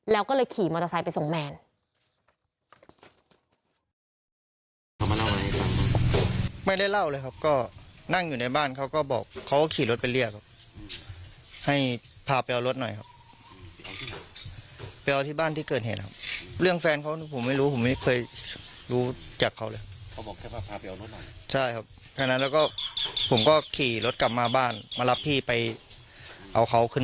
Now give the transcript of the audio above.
แล้วก็เลยขี่มอเตอร์ไซค์ไปส่งแมน